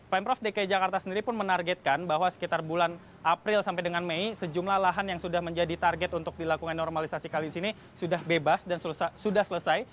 pemprov dki jakarta sendiri pun menargetkan bahwa sekitar bulan april sampai dengan mei sejumlah lahan yang sudah menjadi target untuk dilakukan normalisasi kali ini sudah bebas dan sudah selesai